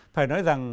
phải nói rằng